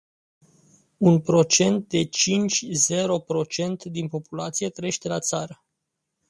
Un procent de cinci zero procent din populație trăiește la țară.